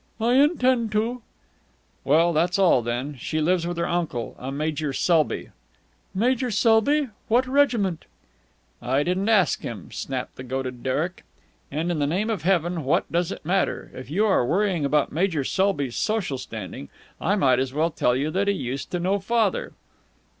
"I intend to!" "Well, that's all, then. She lives with her uncle, a Major Selby...." "Major Selby? What regiment?" "I didn't ask him," snapped the goaded Derek. "And, in the name of heaven, what does it matter? If you are worrying about Major Selby's social standing, I may as well tell you that he used to know father."